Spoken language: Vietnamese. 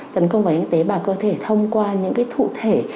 tấn công vào những tế bào cơ thể thông qua những thụ thể